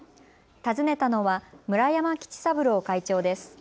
訪ねたのは村山吉三郎会長です。